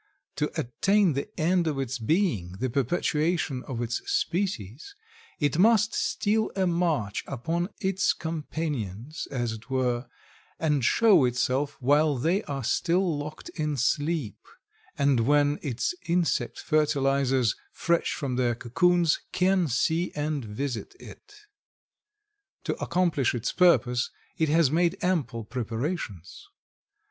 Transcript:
To attain the end of its being, the perpetuation of its species, it must steal a march upon its companions, as it were, and show itself while they are still locked in sleep, and when its insect fertilizers, fresh from their cocoons, can see and visit it. To accomplish its purpose it has made ample preparations.